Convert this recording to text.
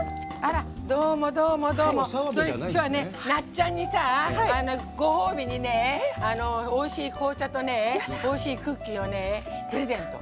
きょうは、なっちゃんにご褒美においしい紅茶とおいしいクッキーをプレゼント。